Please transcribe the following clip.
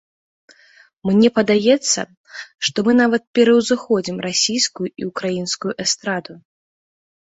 Мне падаецца, што мы нават пераўзыходзім расійскую і ўкраінскую эстраду.